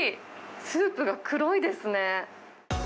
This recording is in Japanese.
スープが黒いですね。